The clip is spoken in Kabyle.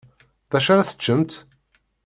Dacu ara teččemt?